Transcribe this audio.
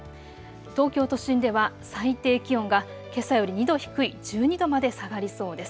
東京都心では最低気温がけさより２度低い１２度まで下がりそうです。